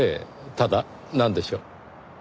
「ただ」なんでしょう？